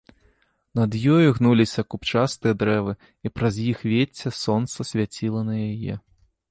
Над ёю гнуліся купчастыя дрэвы, і праз іх вецце сонца свяціла на яе.